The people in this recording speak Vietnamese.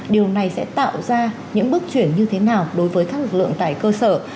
điều này sẽ tạo ra những bước chuyển như thế nào đối với các lực lượng tại cơ sở